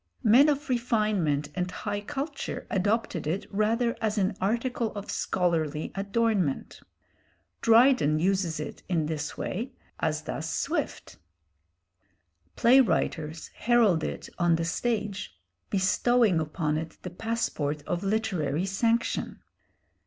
Men of refinement and high culture adopted it rather as an article of scholarly adornment. Dryden uses it in this way, as does Swift. Play writers heralded it on the stage, bestowing upon it the passport of literary sanction.